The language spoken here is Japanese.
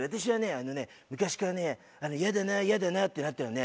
あのね昔からねやだなやだなってなったらね